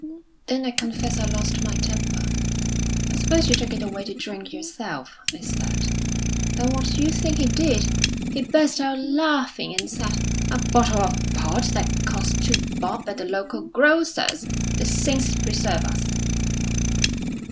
"Then I confess I lost my temper. 'I suppose you took it away to drink yourself?' I said. Then what d'you think he did? He burst out laughing, and said: 'A bottle of port that cost two bob at the local grocer's! The saints preserve us!'"